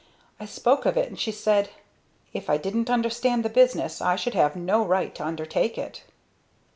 I spoke of it and she said, 'If I didn't understand the business I should have no right to undertake it."